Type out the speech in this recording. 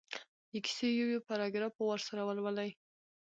د کیسې یو یو پراګراف په وار سره ولولي.